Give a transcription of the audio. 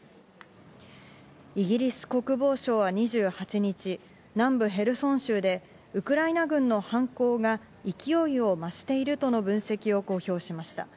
イギリス国防相は２８日、南部ヘルソン州でウクライナ軍の反攻が勢いを増しているとの分析を公表しました。